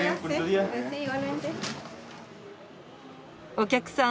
お客さん